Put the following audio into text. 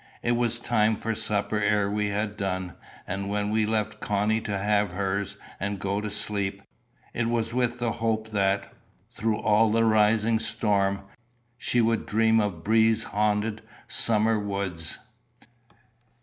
It was time for supper ere we had done; and when we left Connie to have hers and go to sleep, it was with the hope that, through all the rising storm, she would dream of breeze haunted summer woods.